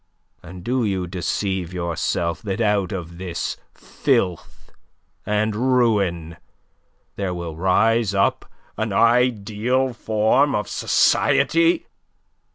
And do you deceive yourself that out of this filth and ruin there will rise up an ideal form of society?